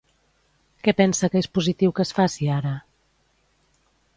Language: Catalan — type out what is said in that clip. Què pensa que és positiu que es faci ara?